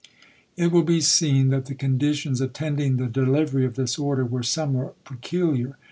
It will be seen that the conditions attending the delivery of this order were somewhat peculiar.